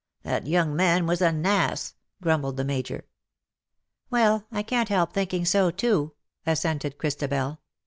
^^'' That young man was an ass !" grumbled the Major. " Well, I canH help thinking so too," assented Christabel.